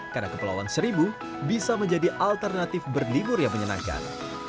karena kepulauan seribu bisa menjadi alternatif berlibur yang menyenangkan